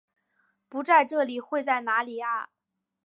不在这里会在哪里啊？